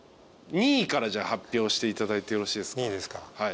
２位から発表していただいてよろしいですか？